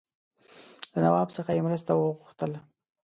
له نواب څخه یې مرسته وغوښتل.